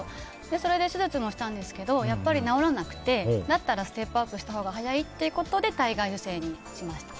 それで手術もしたんですけどやっぱり治らなくてだったらステップアップしたほうが早いということで体外受精にしました。